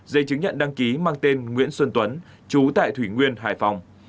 giấy chứng nhận đăng ký mang tên nguyễn xuân tuấn chú tại thủy nguyên hải phòng